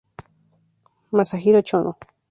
Masahiro Chono